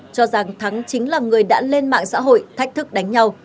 cho rằng thắng chính là người đã lên mạng xã hội thách thức đánh nhau